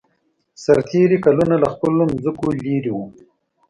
سرتېري کلونه له خپلو ځمکو لېرې وو.